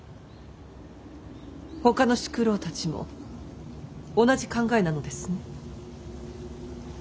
ほかの宿老たちも同じ考えなのですね？